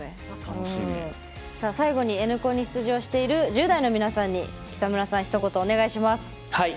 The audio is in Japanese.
最後にＮコンに出場している１０代の皆さんに、北村さんひと言お願いします。